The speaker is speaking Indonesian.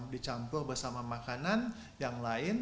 dicampur bersama makanan yang lain